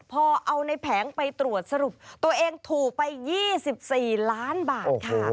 พอเอาในแผงไปตรวจสรุปตัวเองถูกไป๒๔ล้านบาทค่ะ